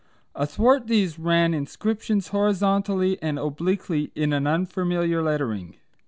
Athwart these ran inscriptions horizontally and obliquely in an unfamiliar lettering.